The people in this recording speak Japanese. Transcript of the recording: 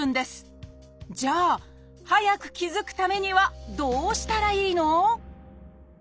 じゃあ早く気付くためにはどうしたらいいの？